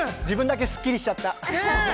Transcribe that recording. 自分だけスッキリしちゃった。